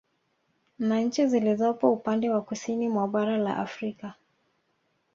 Na nchi zilizopo upande wa Kusini mwa bara la Afrika